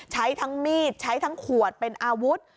ใช้ทั้งมีดใช้ทั้งขวดเป็นอาวุธ